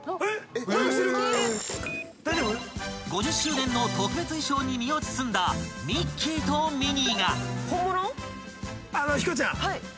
［５０周年の特別衣装に身を包んだミッキーとミニーが］